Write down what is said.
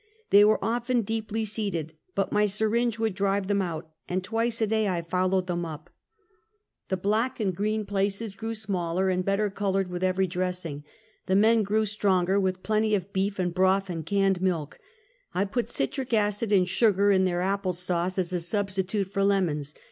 They were often deeply seated, but my syringe would drive them out, and twice a day I followed them up. The black and 316 Half a Centuet. green places grew smaller and better colored with every dressing. The men grew stronger with plenty of beef and broth and canned milk, I put citric acid and sugar in their apple sauce as a substitute for lem ons.